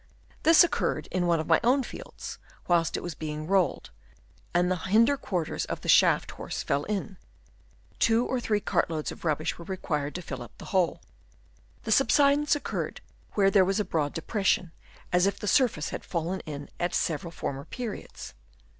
This occurred in one of my own fields, whilst it was being rolled, and the hinder quarters of the shaft horse fell in ; two or three cart loads of rubbish were required to fill up the hole. The subsidence occurred where there was a broad depression, as if the surface had fallen in at several former periods.